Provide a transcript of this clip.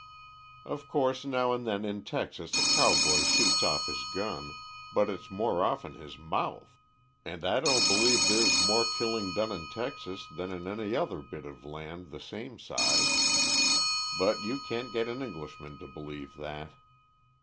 Of course, now and then in Texas a cowboy shoots off his gun, but it's more often his mouth, and I don't believe there's more killing done in Texas than in any other bit of land the same size. But you can't get an Englishman to believe that.